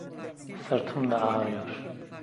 Sırtım da ağrıyor.